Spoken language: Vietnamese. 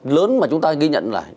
lớn mà chúng ta ghi nhận là